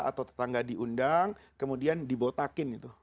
atau tetangga diundang kemudian dibotakin itu